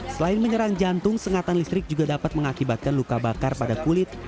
selain menyerang jantung sengatan listrik juga dapat mengakibatkan luka bakar pada kulit